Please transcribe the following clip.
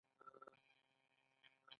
د بدن تر ټولو لوی هډوکی کوم یو دی